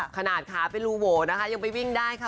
ขนาดขาเป็นรูโหวนะคะยังไปวิ่งได้ค่ะ